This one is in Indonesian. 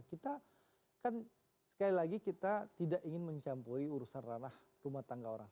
kita kan sekali lagi kita tidak ingin mencampuri urusan ranah rumah tangga orang